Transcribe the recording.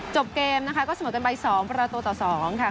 จบเกมนะคะก็เสมอกันไป๒ประตูต่อ๒ค่ะ